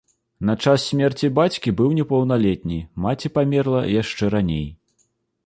На час смерці бацькі быў непаўналетні, маці памерла яшчэ раней.